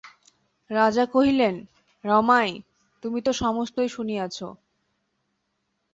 রাজা কহিলেন, রমাই, তুমি তো সমস্তই শুনিয়াছ।